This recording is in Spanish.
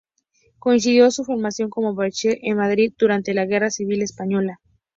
Coincidió su formación como Bachiller en Madrid durante la Guerra Civil Española.